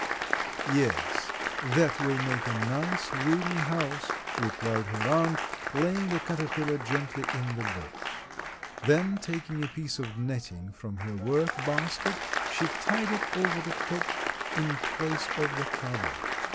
"Yes, that will make a nice, roomy house," replied her aunt, laying the caterpillar gently in the box. Then taking a piece of netting from her work basket she tied it over the top in place of the cover.